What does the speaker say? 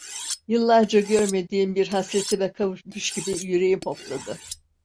Yıllarca görmediğim bir hasretime kavuşmuş gibi yüreğim hopladı.